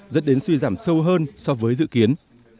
dẫn đến suy giảm sâu hơn so với dự kiến